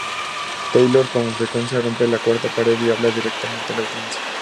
Taylor con frecuencia rompe la cuarta pared y habla directamente a la audiencia.